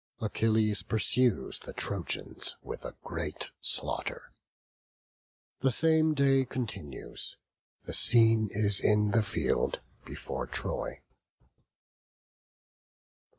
Achilles pursues the Trojans with a great slaughter. The same day continues. The scene is in the field before Troy.